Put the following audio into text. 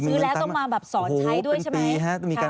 ซื้อแล้วต้องมาแบบสอนใช้ด้วยใช่ไหมค่ะเอ๊ะจานค่ะขอแทรกนิดเดียว